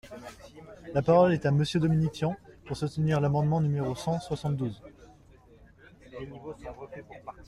La parole est à Monsieur Dominique Tian, pour soutenir l’amendement numéro cent soixante-douze.